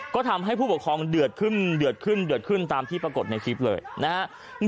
ก็ทำให้ผู้ปกครองเดือดขึ้นเดือดขึ้นเดือดขึ้นตามที่ปรากฏในคลิปเลยนะครับ